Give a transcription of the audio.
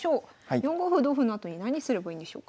４五歩同歩のあとに何すればいいんでしょうか？